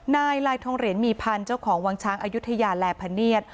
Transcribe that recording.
ลายทองเหรียญมีพันธ์เจ้าของวังช้างอายุทยาแลพเนียด